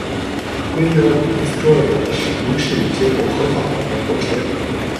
V-Rod Destroyer 不是街头合法的摩托车。